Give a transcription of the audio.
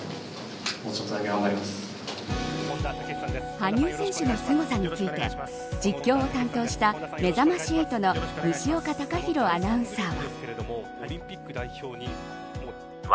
羽生選手のすごさについて実況を担当した、めざまし８の西岡孝洋アナウンサーは。